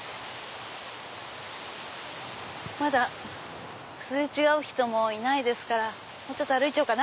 まだ擦れ違う人もいないですからもうちょっと歩いちゃおうかな。